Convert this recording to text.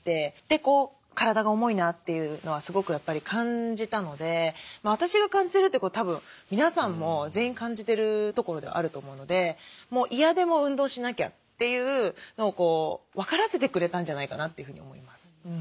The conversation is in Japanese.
で体が重いなっていうのはすごくやっぱり感じたので私が感じてるってことはたぶん皆さんも全員感じてるところではあると思うので嫌でも運動しなきゃっていうのを分からせてくれたんじゃないかなというふうに思います。